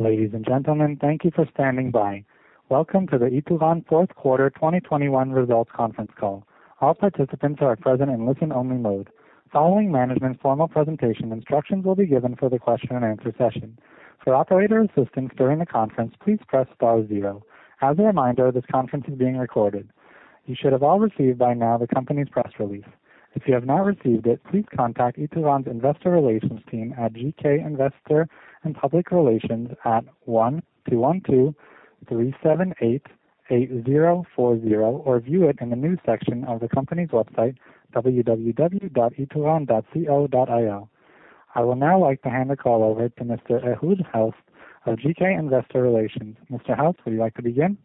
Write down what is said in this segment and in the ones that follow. Ladies and gentlemen, thank you for standing by. Welcome to the Ituran fourth quarter 2021 results conference call. All participants are present in listen-only mode. Following management's formal presentation, instructions will be given for the question and answer session. For operator assistance during the conference, please press star zero. As a reminder, this conference is being recorded. You should have all received by now the company's press release. If you have not received it, please contact Ituran's investor relations team at GK Investor and Public Relations at 1-212-378-8040, or view it in the news section of the company's website, www.ituran.co.il. I would now like to hand the call over to Mr. Ehud Helft of GK Investor Relations. Mr. Helft, would you like to begin?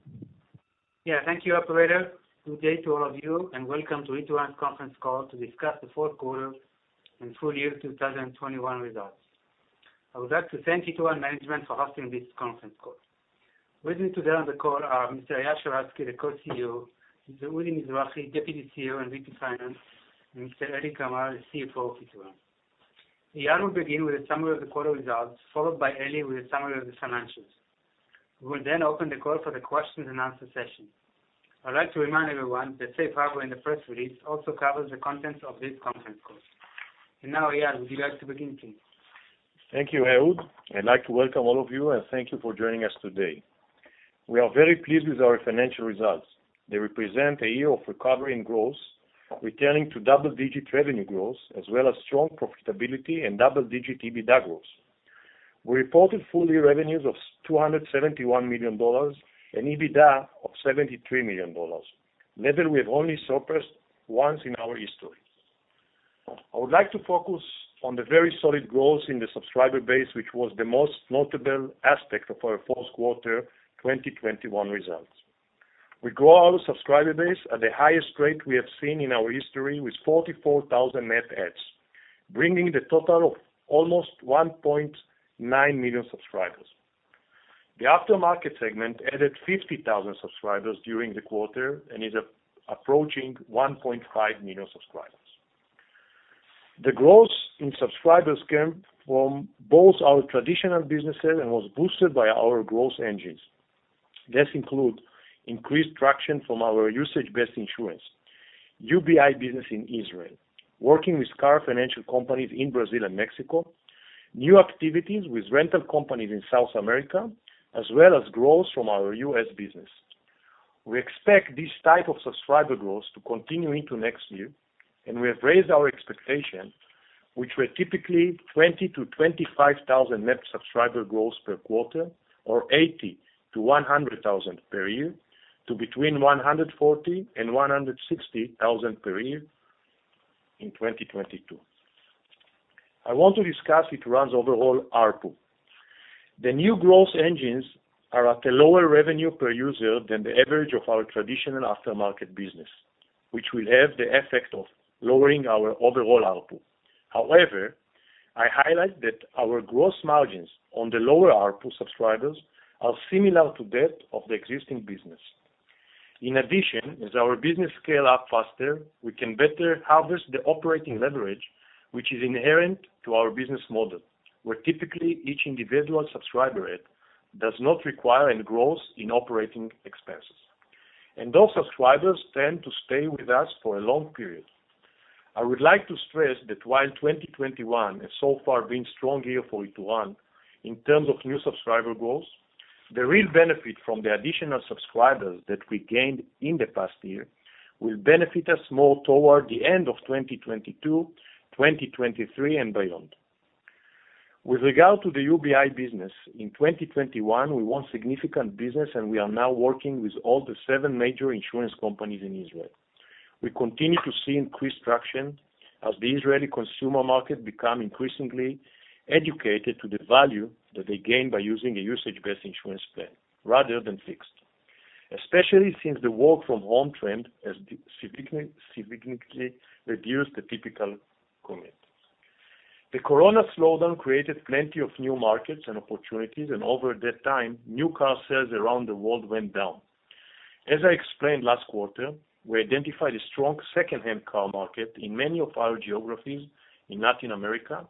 Yeah, thank you, operator. Good day to all of you, and welcome to Ituran's conference call to discuss the fourth quarter and full year 2021 results. I would like to thank Ituran management for hosting this conference call. With me today on the call are Mr. Eyal Sheratzky, the Co-CEO, Mr. Udi Mizrahi, Deputy CEO and VP Finance, and Mr. Eli Kamer, the CFO of Ituran. Eyal will begin with a summary of the quarter results, followed by Eli with a summary of the financials. We will then open the call for the questions and answer session. I'd like to remind everyone that safe harbor in the press release also covers the contents of this conference call. Now, Eyal, would you like to begin, please? Thank you, Ehud. I'd like to welcome all of you and thank you for joining us today. We are very pleased with our financial results. They represent a year of recovery and growth, returning to double-digit revenue growth, as well as strong profitability and double-digit EBITDA growth. We reported full-year revenues of $271 million and EBITDA of $73 million. A level we have only surpassed once in our history. I would like to focus on the very solid growth in the subscriber base, which was the most notable aspect of our fourth quarter, 2021 results. We grew our subscriber base at the highest rate we have seen in our history with 44,000 net adds, bringing the total of almost 1.9 million subscribers. The aftermarket segment added 50,000 subscribers during the quarter and is approaching 1.5 million subscribers. The growth in subscribers came from both our traditional businesses and was boosted by our growth engines. These include increased traction from our usage-based insurance, UBI business in Israel, working with car financial companies in Brazil and Mexico, new activities with rental companies in South America, as well as growth from our U.S. business. We expect this type of subscriber growth to continue into next year, and we have raised our expectation, which were typically 20,000-25,000 net subscriber growth per quarter or 80,000-100,000 per year to between 140,000-160,000 per year in 2022. I want to discuss Ituran's overall ARPU. The new growth engines are at a lower revenue per user than the average of our traditional aftermarket business, which will have the effect of lowering our overall ARPU. However, I highlight that our gross margins on the lower ARPU subscribers are similar to that of the existing business. In addition, as our business scale up faster, we can better harvest the operating leverage, which is inherent to our business model, where typically each individual subscriber add does not require any growth in operating expenses. Those subscribers tend to stay with us for a long period. I would like to stress that while 2021 has so far been a strong year for Ituran in terms of new subscriber growth, the real benefit from the additional subscribers that we gained in the past year will benefit us more toward the end of 2022, 2023 and beyond. With regard to the UBI business, in 2021 we won significant business, and we are now working with all seven major insurance companies in Israel. We continue to see increased traction as the Israeli consumer market become increasingly educated to the value that they gain by using a usage-based insurance plan rather than fixed. Especially since the work from home trend has significantly reduced the typical commute. The corona slowdown created plenty of new markets and opportunities, and over that time, new car sales around the world went down. As I explained last quarter, we identified a strong secondhand car market in many of our geographies in Latin America,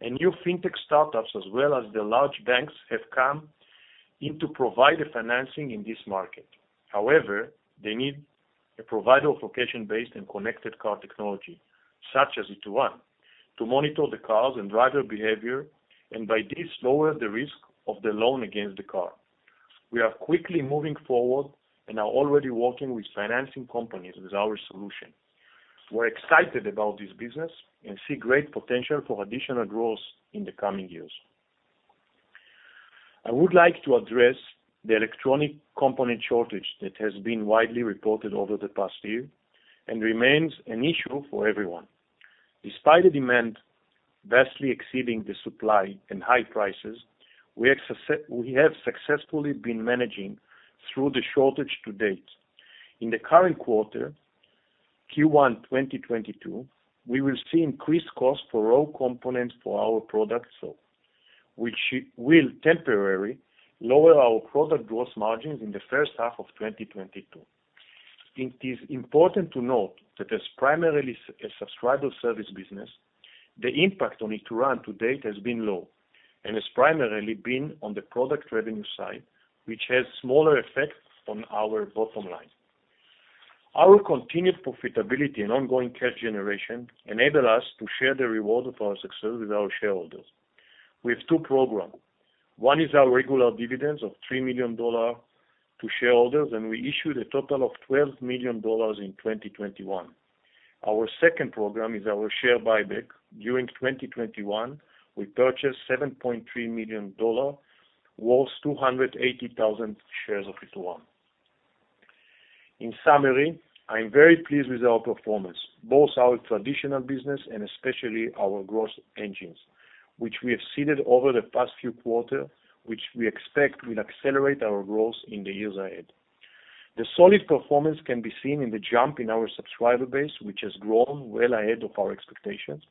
and new fintech startups, as well as the large banks, have come in to provide the financing in this market. However, they need a provider of location-based and connected car technology, such as Ituran, to monitor the cars and driver behavior, and by this, lower the risk of the loan against the car. We are quickly moving forward and are already working with financing companies with our solution. We're excited about this business and see great potential for additional growth in the coming years. I would like to address the electronic component shortage that has been widely reported over the past year and remains an issue for everyone. Despite the demand vastly exceeding the supply and high prices, we have successfully been managing through the shortage to date. In the current quarter, Q1 2022, we will see increased cost for raw components for our products, which will temporarily lower our product gross margins in the first half of 2022. It is important to note that as primarily a subscriber service business, the impact on Ituran to date has been low and has primarily been on the product revenue side, which has smaller effects on our bottom line. Our continued profitability and ongoing cash generation enable us to share the rewards of our success with our shareholders. We have two programs. One is our regular dividends of $3 million to shareholders, and we issued a total of $12 million in 2021. Our second program is our share buyback. During 2021, we purchased $7.3 million worth 280,000 shares of Ituran. In summary, I'm very pleased with our performance, both our traditional business and especially our growth engines, which we have seeded over the past few quarters, which we expect will accelerate our growth in the years ahead. The solid performance can be seen in the jump in our subscriber base, which has grown well ahead of our expectations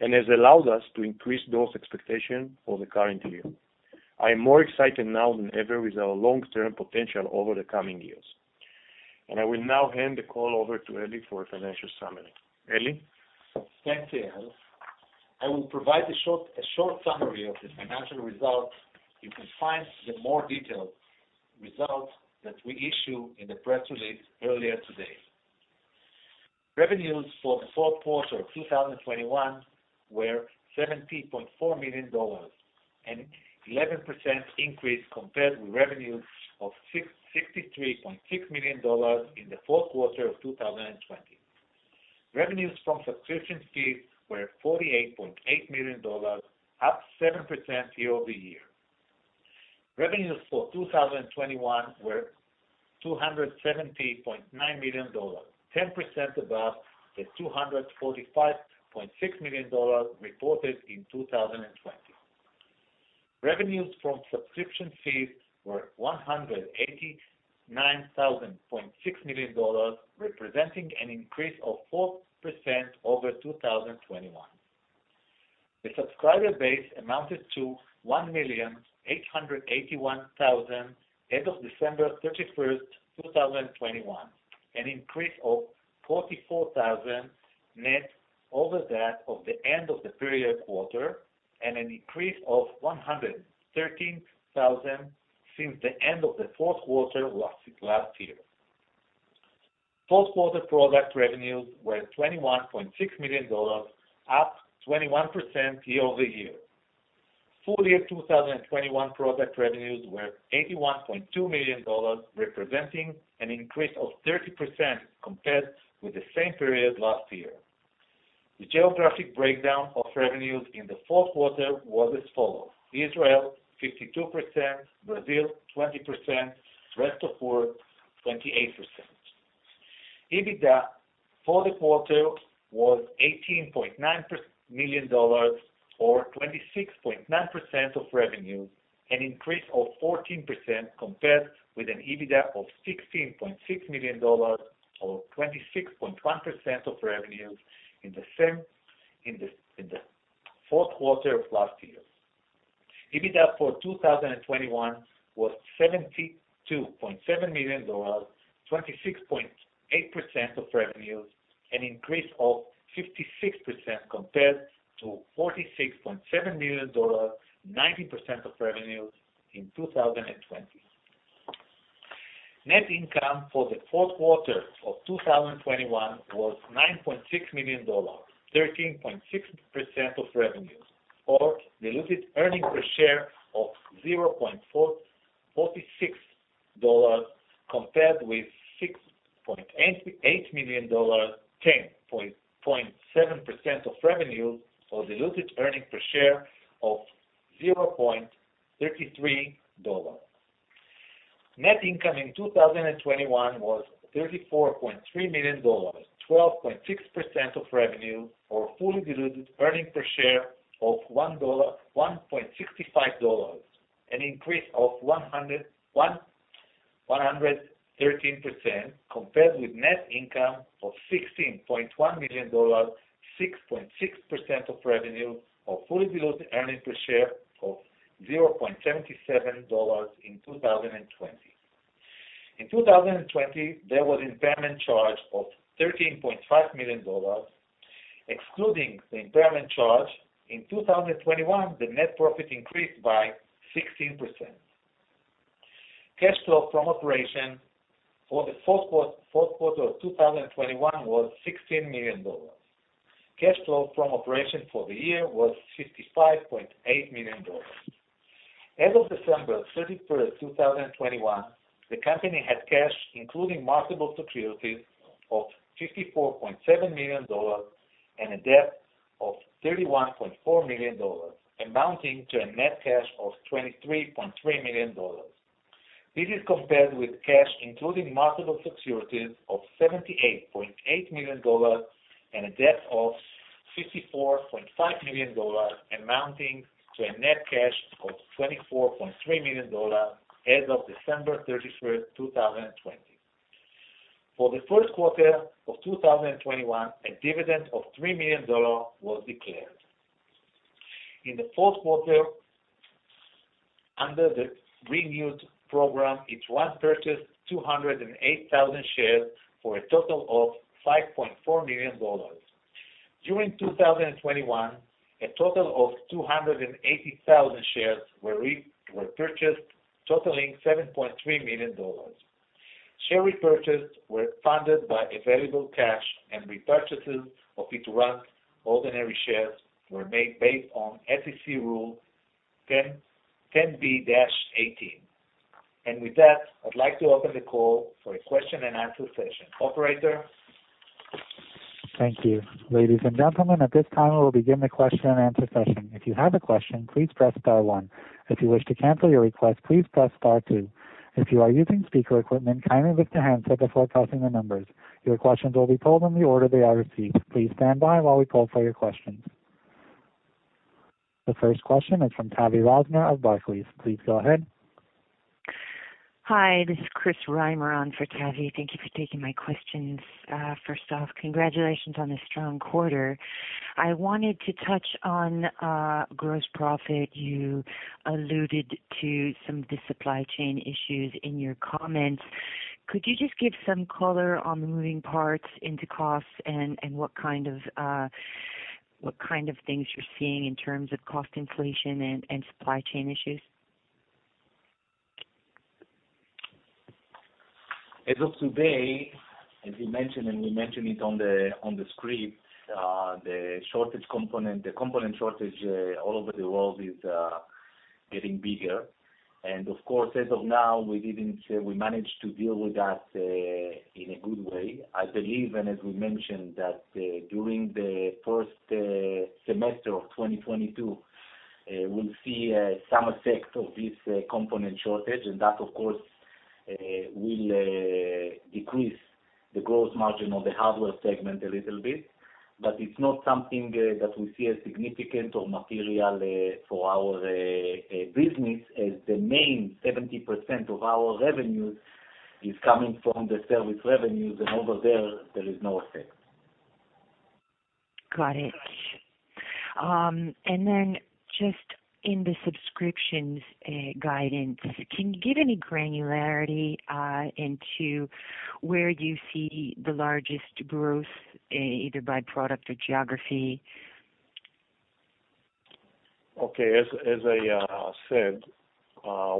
and has allowed us to increase those expectations for the current year. I am more excited now than ever with our long-term potential over the coming years. I will now hand the call over to Eli for a financial summary. Eli? Thanks, Eyal. I will provide a short summary of the financial results. You can find the more detailed results that we issue in the press release earlier today. Revenues for the fourth quarter of 2021 were $74 million, an 11% increase compared with revenues of $66.3 million in the fourth quarter of 2020. Revenues from subscription fees were $48.8 million, up 7% year-over-year. Revenues for 2021 were $270.9 million, 10% above the $245.6 million reported in 2020. Revenues from subscription fees were $189.6 million, representing an increase of 4% over 2020. The subscriber base amounted to 1,881,000 end of December 31st, 2021, an increase of 44,000 net over that of the end of the prior quarter and an increase of 113,000 since the end of the fourth quarter last year. Fourth quarter product revenues were $21.6 million, up 21% year-over-year. Full year 2021 product revenues were $81.2 million, representing an increase of 30% compared with the same period last year. The geographic breakdown of revenues in the fourth quarter was as follows. Israel 52%, Brazil 20%, rest of world 28%. EBITDA for the quarter was $18.9 million or 26.9% of revenue, an increase of 14% compared with an EBITDA of $16.6 million, or 26.1% of revenues in the fourth quarter of last year. EBITDA for 2021 was $72.7 million, 26.8% of revenues, an increase of 56% compared to $46.7 million, 26.7% of revenues in 2020. Net income for the fourth quarter of 2021 was $9.6 million, 13.6% of revenues, or diluted earnings per share of $0.46 compared with $6.8 million, 10.7% of revenue for diluted earnings per share of $0.33. Net income in 2021 was $34.3 million, 12.6% of revenue, for fully diluted earnings per share of $1.65, an increase of 113% compared with net income of $16.1 million, 6.6% of revenue for fully diluted earnings per share of $0.77 in 2020. In 2020, there was impairment charge of $13.5 million. Excluding the impairment charge, in 2021, the net profit increased by 16%. Cash flow from operations for the fourth quarter of 2021 was $16 million. Cash flow from operations for the year was $55.8 million. As of December 31st, 2021, the company had cash, including marketable securities, of $54.7 million and a debt of $31.4 million, amounting to a net cash of $23.3 million. This is compared with cash including marketable securities of $78.8 million and a debt of $54.5 million, amounting to a net cash of $24.3 million as of December 31st, 2020. For the first quarter of 2021, a dividend of $3 million was declared. In the fourth quarter, under the renewed program, 208,000 shares were purchased for a total of $5.4 million. During 2021, a total of 280,000 shares were purchased, totaling $7.3 million. Shares repurchased were funded by available cash, and repurchases of Ituran ordinary shares were made based on SEC Rule 10b-18. With that, I'd like to open the call for a question and answer session. Operator? Thank you. Ladies and gentlemen, at this time, we'll begin the question and answer session. If you have a question, please press star one. If you wish to cancel your request, please press star two. If you are using speaker equipment, kindly lift your handset before pressing the numbers. Your questions will be pulled in the order they are received. Please stand by while we pull for your questions. The first question is from Tavy Rosner of Barclays. Please go ahead. Hi, this is Chris Reimer on for Tavy. Thank you for taking my questions. First off, congratulations on a strong quarter. I wanted to touch on gross profit. You alluded to some of the supply chain issues in your comments. Could you just give some color on the moving parts into costs and what kind of things you're seeing in terms of cost inflation and supply chain issues? As of today, as you mentioned, and we mentioned it on the screen, the component shortage all over the world is getting bigger. Of course, as of now, we managed to deal with that in a good way. I believe, and as we mentioned, that during the first semester of 2022, we'll see some effects of this component shortage, and that, of course, will decrease the gross margin of the hardware segment a little bit. It's not something that we see as significant or material for our business as the main 70% of our revenues is coming from the service revenues, and over there is no effect. Got it. Just in the subscriptions guidance, can you give any granularity into where you see the largest growth either by product or geography? Okay. As I said,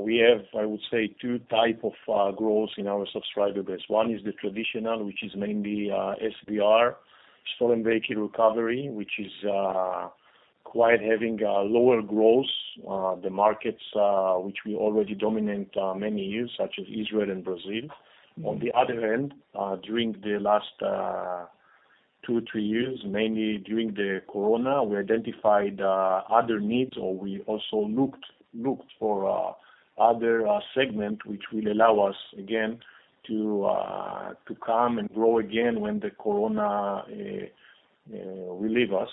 we have, I would say, two type of growth in our subscriber base. One is the traditional, which is mainly SVR, stolen vehicle recovery, which is quite having lower growth. The markets which we already dominate many years, such as Israel and Brazil. On the other hand, during the last 2 years-3 years, mainly during the Corona, we identified other needs, or we also looked for other segment which will allow us again to come and grow again when the Corona relieve us.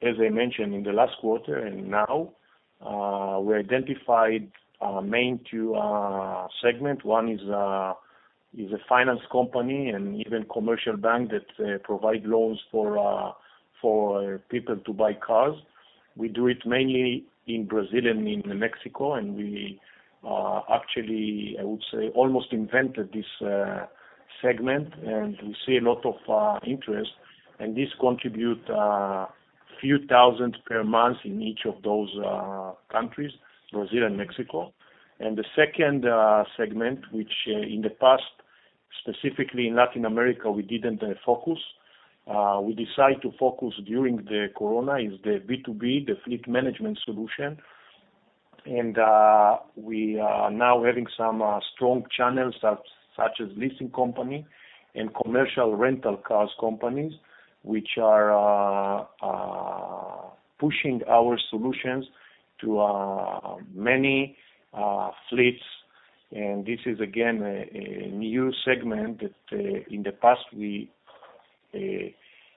As I mentioned in the last quarter and now, we identified main two segment. One is a finance company and even commercial bank that provide loans for people to buy cars. We do it mainly in Brazil and in Mexico, and we actually, I would say, almost invented this segment, and we see a lot of interest. This contribute few thousand per month in each of those countries, Brazil and Mexico. The second segment, which in the past, specifically in Latin America, we didn't focus, we decided to focus during the Corona, is the B2B, the fleet management solution. We are now having some strong channels such as leasing company and commercial rental cars companies, which are pushing our solutions to many fleets. This is again a new segment that in the past we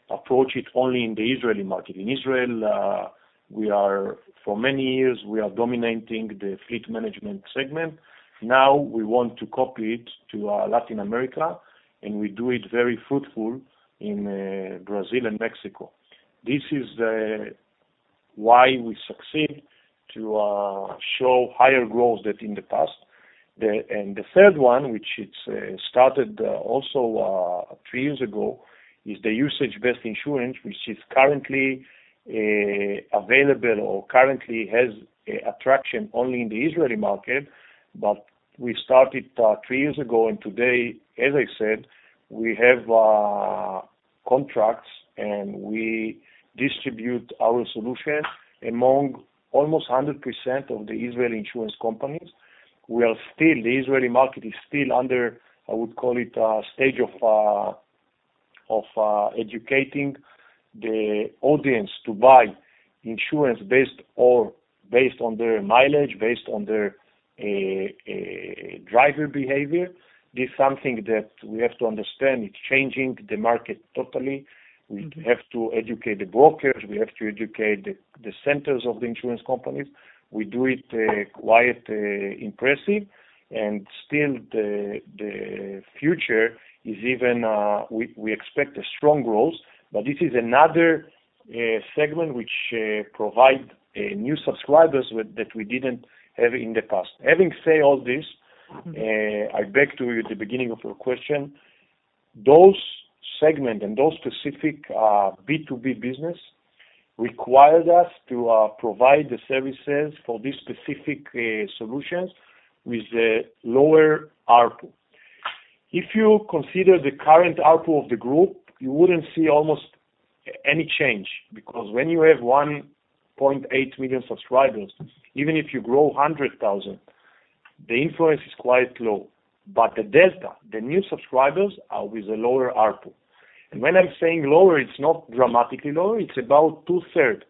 approach it only in the Israeli market. In Israel, we are for many years, we are dominating the fleet management segment. Now we want to copy it to Latin America, and we do it very fruitfully in Brazil and Mexico. This is why we succeed to show higher growth than in the past. The third one, which it started also three years ago, is the usage-based insurance, which is currently available or currently has traction only in the Israeli market. We started three years ago, and today, as I said, we have contracts, and we distribute our solution among almost 100% of the Israeli insurance companies. The Israeli market is still under, I would call it, a stage of educating the audience to buy insurance based on their mileage, based on their driver behavior. This is something that we have to understand. It's changing the market totally. We have to educate the brokers. We have to educate the centers of the insurance companies. We do it quite impressive. Still, we expect a strong growth. This is another segment which provide new subscribers that we didn't have in the past. Having said all this. I beg you at the beginning of your question, those segments and those specific B2B businesses required us to provide the services for these specific solutions with the lower ARPU. If you consider the current ARPU of the group, you wouldn't see almost any change because when you have 1.8 million subscribers, even if you grow 100,000, the influence is quite low. The new subscribers are with a lower ARPU. When I'm saying lower, it's not dramatically lower, it's about two-thirds.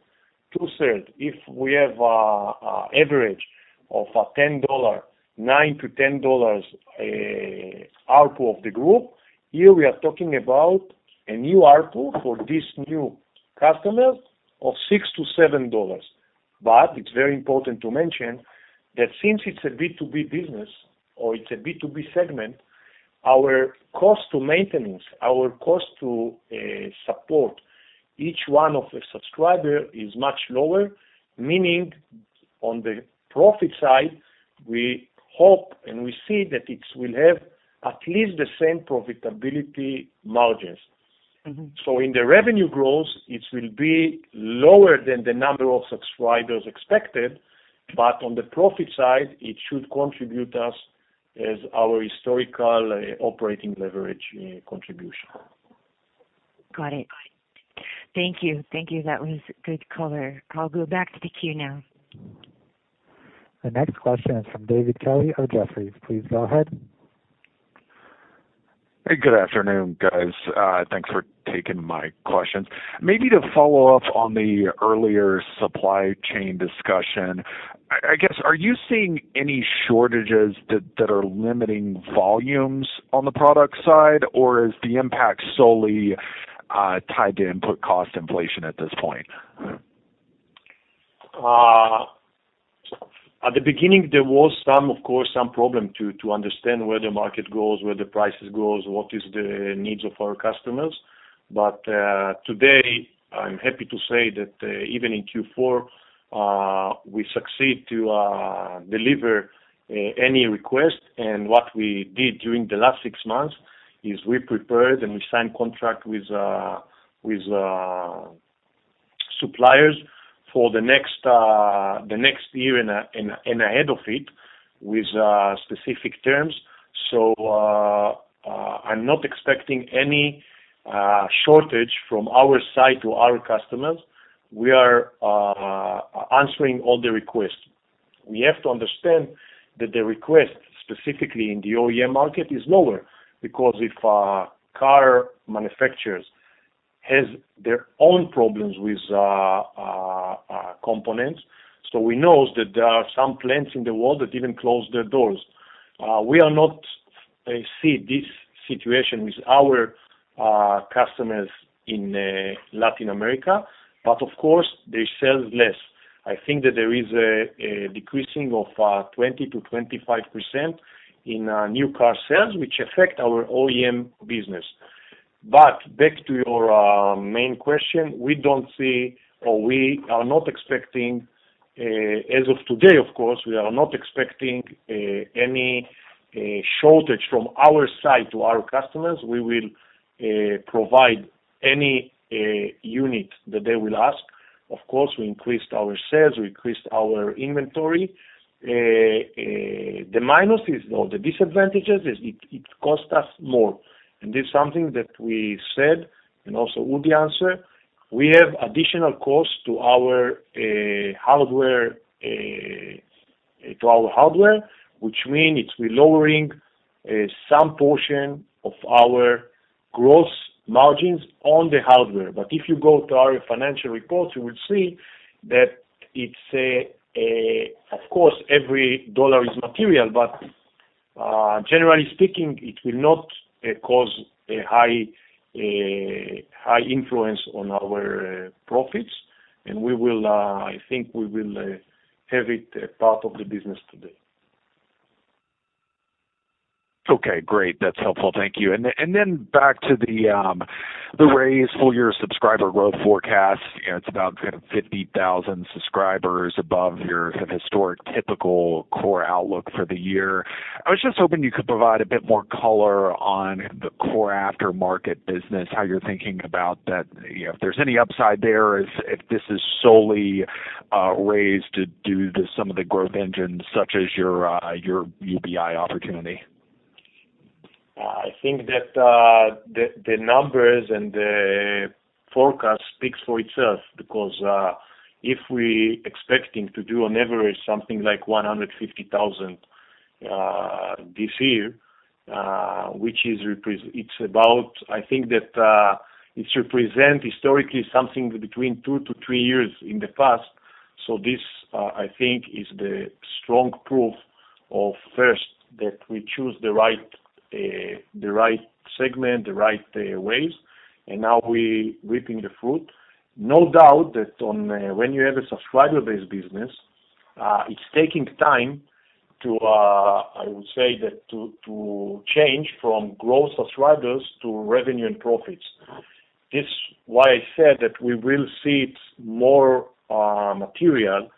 If we have an average of $9-$10 ARPU of the group, here we are talking about a new ARPU for this new customer of $6-$7. It's very important to mention that since it's a B2B business or it's a B2B segment, our cost of maintenance, our cost to support each one of the subscriber is much lower, meaning on the profit side, we hope and we see that it will have at least the same profitability margins. Mm-hmm. In the revenue growth, it will be lower than the number of subscribers expected, but on the profit side, it should contribute to us as our historical operating leverage contribution. Got it. Thank you. That was good color. I'll go back to the queue now. The next question is from David Kelley of Jefferies. Please go ahead. Hey, good afternoon, guys. Thanks for taking my questions. Maybe to follow up on the earlier supply chain discussion, I guess, are you seeing any shortages that are limiting volumes on the product side? Or is the impact solely tied to input cost inflation at this point? At the beginning, there was, of course, some problem to understand where the market goes, where the prices goes, what is the needs of our customers. Today, I'm happy to say that even in Q4, we succeed to deliver any request, and what we did during the last six months is we prepared, and we signed contract with suppliers for the next year and ahead of it with specific terms. I'm not expecting any shortage from our side to our customers. We are answering all the requests. We have to understand that the request, specifically in the OEM market, is lower because if car manufacturers has their own problems with components. We know that there are some plants in the world that even close their doors. We are not seeing this situation with our customers in Latin America, but of course, they sell less. I think that there is a decrease of 20%-25% in new car sales, which affect our OEM business. Back to your main question, we don't see or we are not expecting, as of today, of course, any shortage from our side to our customers. We will provide any unit that they will ask. Of course, we increased our sales, we increased our inventory. The minus is, or the disadvantage is it cost us more. This is something that we said, and also Udi answered, we have additional costs to our hardware, which means it's lowering some portion of our gross margins on the hardware. If you go to our financial reports, you will see that it's a. Of course, every dollar is material, but generally speaking, it will not cause a high influence on our profits. I think we will have it a part of the business today. Okay, great. That's helpful. Thank you. Back to the raised full-year subscriber growth forecast. It's about 50,000 subscribers above your kind of historic typical core outlook for the year. I was just hoping you could provide a bit more color on the core aftermarket business, how you're thinking about that. You know, if there's any upside there, if this is solely raised due to some of the growth engines such as your UBI opportunity. I think that the numbers and the forecast speaks for itself because if we expecting to do on average something like 150,000 this year. It's about, I think that, it represent historically something between 2 years-3 years in the past. This, I think is the strong proof of, first, that we choose the right, the right segment, the right ways, and now we're reaping the fruit. No doubt that when you have a subscriber-based business, it's taking time, I would say, to change from subscriber growth to revenue and profits. This is why I said that we will see it more material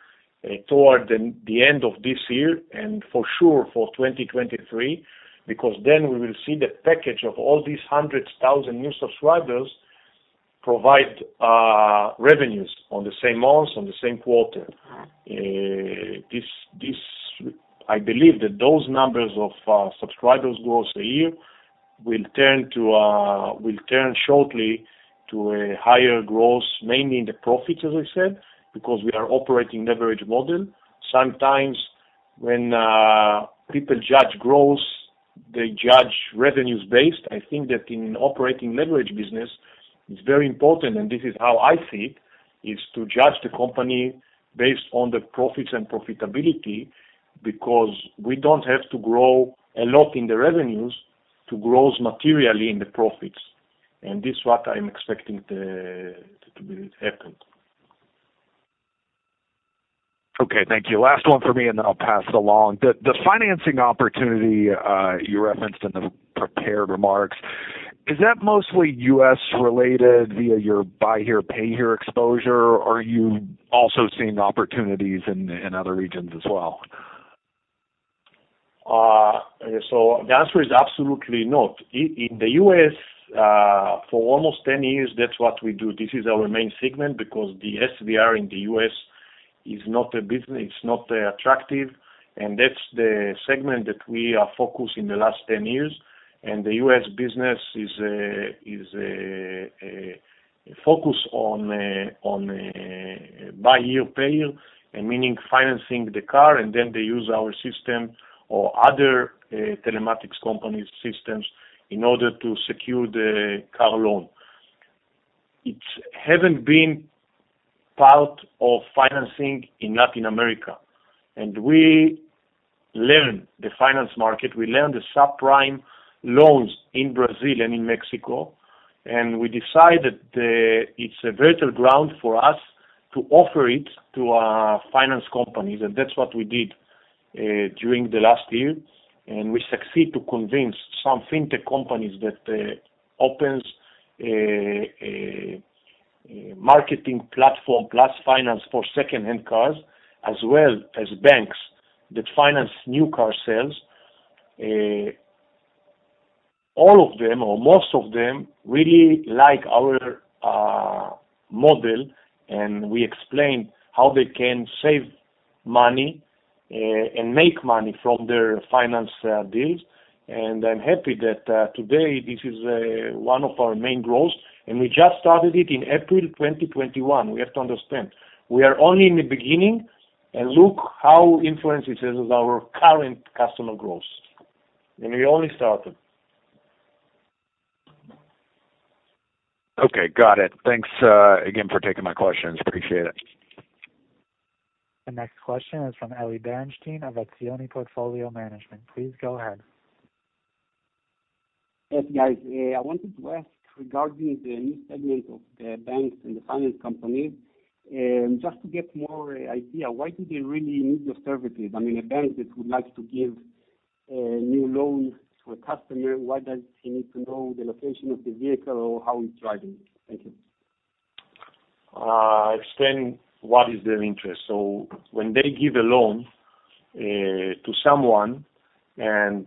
toward the end of this year and for sure for 2023, because then we will see the package of all these 100,000 new subscribers provide revenues on the same months, on the same quarter. I believe that those numbers of subscriber growth a year will turn shortly to a higher growth, mainly in the profits, as I said, because we are operating leverage model. Sometimes when people judge growth, they judge revenue-based. I think that in operating leverage business, it's very important, and this is how I see it, is to judge the company based on the profits and profitability because we don't have to grow a lot in the revenues to grow materially in the profits, and this is what I'm expecting to happen. Okay. Thank you. Last one for me, and then I'll pass it along. The financing opportunity you referenced in the prepared remarks, is that mostly U.S. related via your buy here, pay here exposure, or are you also seeing opportunities in other regions as well? The answer is absolutely not. In the U.S., for almost 10 years, that's what we do. This is our main segment because the SVR in the U.S. is not a business, it's not attractive, and that's the segment that we are focused in the last 10 years. The U.S. business is a focus on a buy here, pay here, and meaning financing the car, and then they use our system or other telematics company systems in order to secure the car loan. It hasn't been part of financing in Latin America, and we learn the fintech market, we learn the subprime loans in Brazil and in Mexico, and we decided, it's a fertile ground for us to offer it to our finance companies, and that's what we did during the last year. We succeed to convince some fintech companies that opens a marketing platform plus finance for secondhand cars, as well as banks that finance new car sales. All of them or most of them really like our model, and we explain how they can save money and make money from their finance deals. I'm happy that today this is one of our main growths, and we just started it in April 2021. We have to understand, we are only in the beginning, and look how influence it has our current customer growth, and we only started. Okay. Got it. Thanks, again for taking my questions. Appreciate it. The next question is from Eli Bernstein of Ezioni Portfolio Management. Please go ahead. Yes, guys. I wanted to ask regarding the new segment of the banks and the finance companies, just to get more idea, why do they really need your services? I mean, a bank that would like to give new loans to a customer, why does he need to know the location of the vehicle or how he's driving? Thank you. Explain what is their interest. When they give a loan to someone and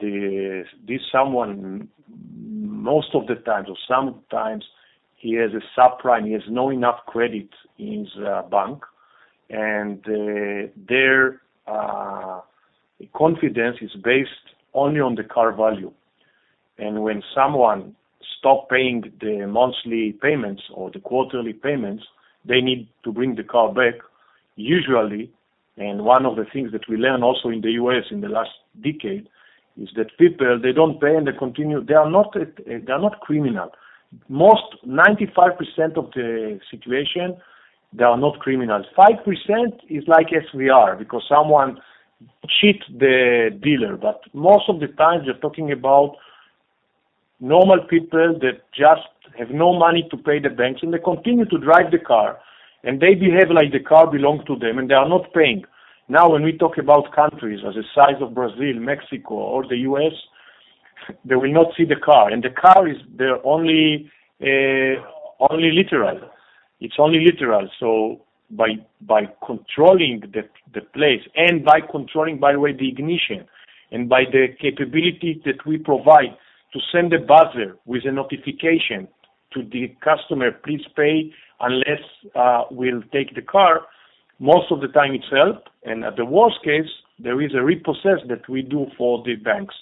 this someone most of the times or sometimes he has a subprime, he has no enough credit in his bank, and their confidence is based only on the car value. When someone stop paying the monthly payments or the quarterly payments, they need to bring the car back usually, and one of the things that we learn also in the U.S. in the last decade is that people, they don't pay, and they continue. They are not criminal. Most 95% of the situation, they are not criminals. 5% is like SVR because someone cheat the dealer. Most of the time, you're talking about normal people that just have no money to pay the banks, and they continue to drive the car, and they behave like the car belong to them, and they are not paying. Now, when we talk about countries as the size of Brazil, Mexico, or the U.S., they will not sell the car, and the car is their only asset. By controlling the place and, by the way, controlling the ignition and by the capability that we provide to send a buzzer with a notification to the customer, "Please pay or else we'll take the car," most of the time it help, and at the worst case, there is a repossession that we do for the banks.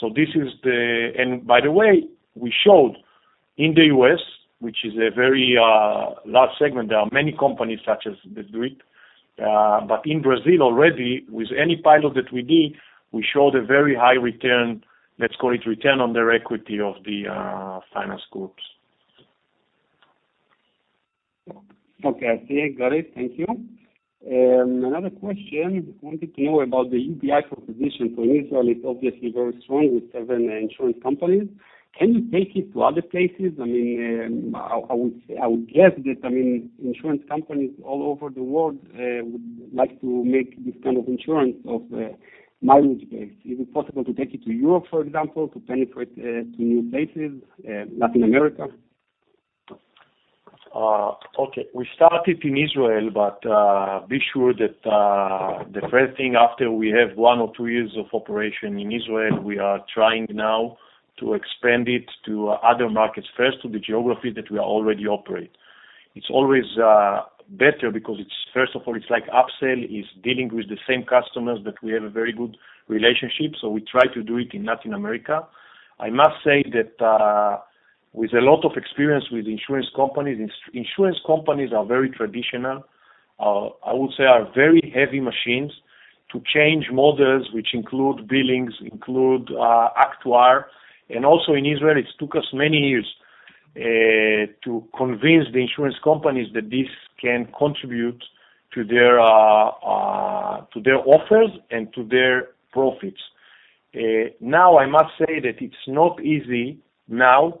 So this is the... By the way, we showed in the U.S., which is a very large segment, there are many companies such as that do it. In Brazil already, with any pilot that we did, we showed a very high return, let's call it return on their equity of the finance groups. Okay. I see. Got it. Thank you. Another question. I wanted to know about the UBI proposition. In Israel, it's obviously very strong with seven insurance companies. Can you take it to other places? I mean, I would guess that insurance companies all over the world would like to make this kind of insurance or mileage-based. Is it possible to take it to Europe, for example, to penetrate new places, Latin America? Okay. We started in Israel, but be sure that the first thing after we have one or two years of operation in Israel, we are trying now to expand it to other markets, first to the geography that we already operate. It's always better because it's first of all, it's like upsell, is dealing with the same customers that we have a very good relationship, so we try to do it in Latin America. I must say that with a lot of experience with insurance companies, insurance companies are very traditional. I would say are very heavy machines to change models, which include billings, actuary. Also in Israel, it took us many years to convince the insurance companies that this can contribute to their offers and to their profits. Now I must say that it's not easy now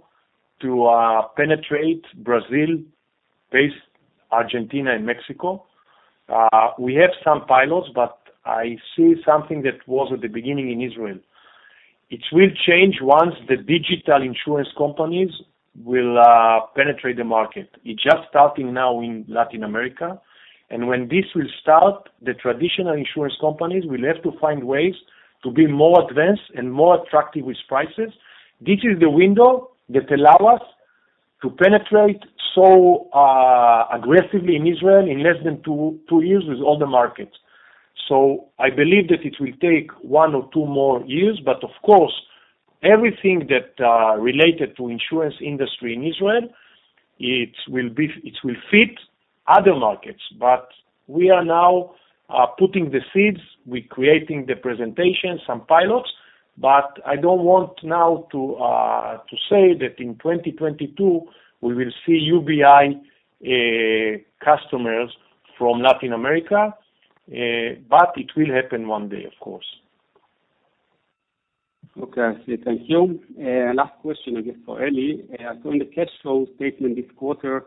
to penetrate Brazil, Argentina and Mexico. We have some pilots, but I see something that was at the beginning in Israel. It will change once the digital insurance companies will penetrate the market. It's just starting now in Latin America, and when this will start, the traditional insurance companies will have to find ways to be more advanced and more attractive with prices. This is the window that allow us to penetrate so aggressively in Israel in less than two years with all the markets. I believe that it will take one or two more years, but of course, everything that related to insurance industry in Israel, it will fit other markets. We are now putting the seeds. We're creating the presentations, some pilots. I don't want now to say that in 2022 we will see UBI customers from Latin America, but it will happen one day, of course. Okay. Thank you. Last question I guess for Eli. On the cash flow statement this quarter,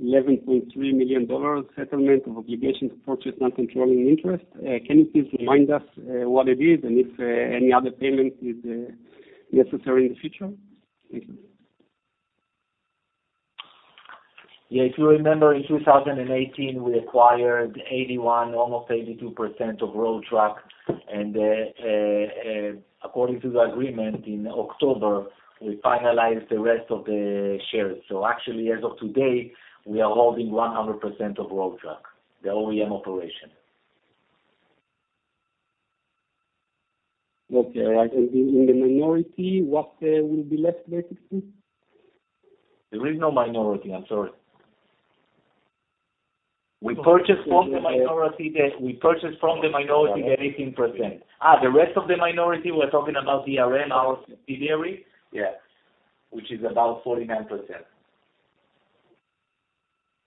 $11.3 million settlement of obligation to purchase non-controlling interest. Can you please remind us what it is and if any other payment is necessary in the future? Yeah. If you remember, in 2018, we acquired 81, almost 82% of Road Track, and according to the agreement in October, we finalized the rest of the shares. Actually as of today, we are holding 100% of Road Track, the OEM operation. Okay. Right. In the minority, what will be left there to see? There is no minority. I'm sorry. We purchased from the minority the 18%. The rest of the minority, we're talking about ERM, our subsidiary? Yes. Which is about 49%.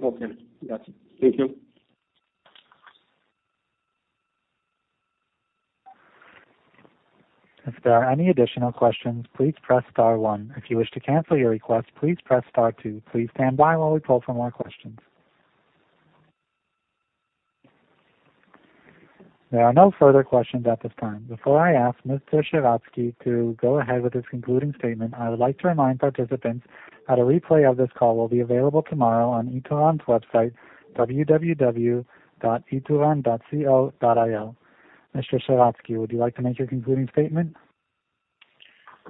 Okay. Got you. Thank you. If there are any additional questions, please press star one. If you wish to cancel your request, please press star two. Please standby while we call for more questions. There no further questions at this time. Before I ask Mr. Sheratzky to go ahead with his concluding statement, I would like to remind participants that a replay of this call will be available tomorrow on Ituran's website, www.ituran.co.il. Mr. Sheratzky, would you like to make your concluding statement?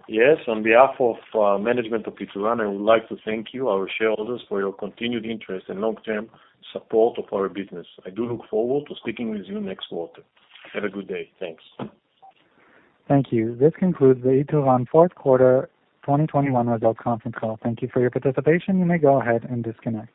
Yes. On behalf of management of Ituran, I would like to thank you, our shareholders, for your continued interest and long-term support of our business. I do look forward to speaking with you next quarter. Have a good day. Thanks. Thank you. This concludes the Ituran fourth quarter 2021 results conference call. Thank you for your participation. You may go ahead and disconnect.